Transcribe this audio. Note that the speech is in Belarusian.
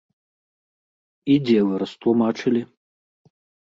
І дзе вы растлумачылі?